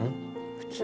普通。